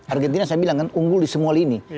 argentina saya bilang kan unggul di semua lini